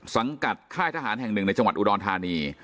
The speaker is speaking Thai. สังกัดค่ายทหารแห่งหนึ่งในจังหวัดอุดรธานี